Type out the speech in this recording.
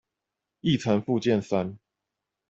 議程附件三